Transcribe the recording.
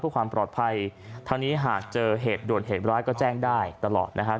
เพื่อความปลอดภัยทางนี้หากเจอเหตุด่วนเหตุร้ายก็แจ้งได้ตลอดนะครับ